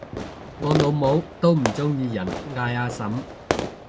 我老母都唔鍾意人嗌阿嬸